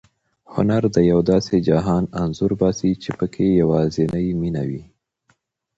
هنر د یو داسې جهان انځور باسي چې پکې یوازې مینه وي.